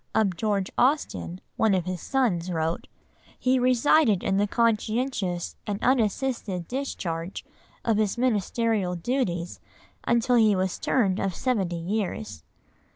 Of George Austen one of his sons wrote— "He resided in the conscientious and unassisted discharge of his ministerial duties until he was turned of seventy years."